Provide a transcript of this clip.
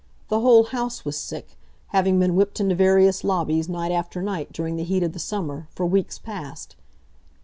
The whole House was sick, having been whipped into various lobbies, night after night, during the heat of the summer, for weeks past.